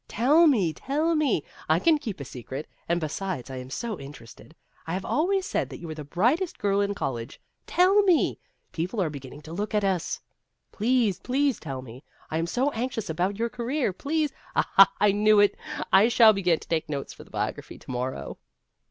" Tell me, tell me ! I can keep a secret. And besides, I am so interested. I have always said that you were the brightest girl in college. Tell me ! People are beginning to look at us. Please, please tell me. I am so anxious about your career. Please Aha ! I knew it. I shall begin to take notes for the biog raphy to morrow."